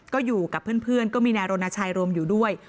ก็อยู่กับเพื่อนก็มีนายรณชัยรวมอยู่ด้วย